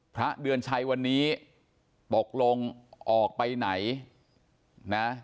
พระเดือนชัยวันนี้ตกลงออกไปไหนนะ